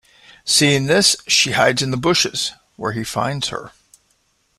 Seeing this, she hides in the bushes, where he finds her.